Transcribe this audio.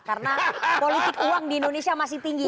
karena politik uang di indonesia masih tinggi